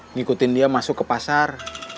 ngikutin dia masuk ke pasar